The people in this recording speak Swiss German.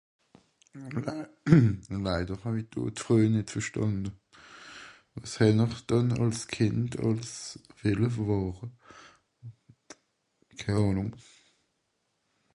hmm laider hàwi do d'freuj nìt verstànde wàs henn'r dànn àls Kìnd àls welle wàre keh àhnung